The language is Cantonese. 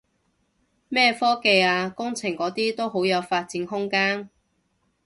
咩科技啊工程嗰啲都好有發展空間